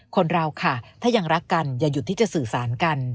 คนเราค่ะถ้ายังรักกันอย่าหยุดที่จะสื่อสารกัน